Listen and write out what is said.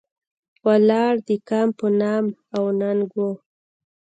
ولاړ د کام په نام او ننګ و.